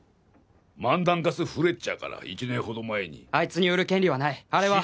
マンダンガス・フレッチャーから１年ほど前にあいつに売る権利はないあれは∈